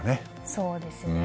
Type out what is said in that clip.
そうですね。